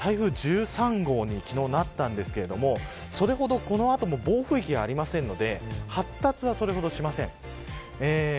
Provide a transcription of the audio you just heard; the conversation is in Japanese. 台風１３号に昨日、なったんですがそれほど、この後も暴風域はありませんので発達はそれほどしません。